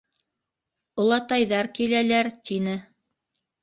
Олатайҙар киләләр, — тине.